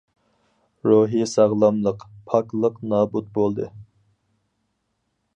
روھى ساغلاملىق، پاكلىق نابۇت بولدى.